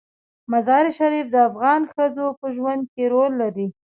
مزارشریف د افغان ښځو په ژوند کې رول لري.